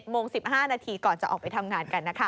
โมง๑๕นาทีก่อนจะออกไปทำงานกันนะคะ